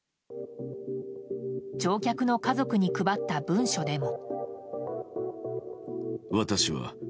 乗客の家族に配った文書でも。